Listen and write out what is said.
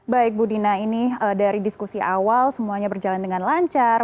baik bu dina ini dari diskusi awal semuanya berjalan dengan lancar